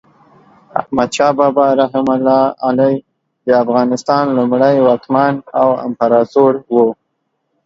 احمد شاه بابا رحمة الله علیه د افغانستان لومړی واکمن او امپراتور و.